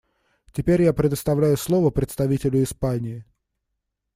Теперь я предоставляю слово представителю Испании.